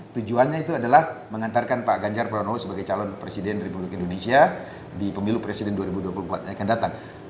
tujuannya itu adalah mengantarkan pak ganjar pranowo sebagai calon presiden republik indonesia di pemilu presiden dua ribu dua puluh empat yang akan datang